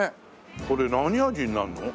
これ何味になるの？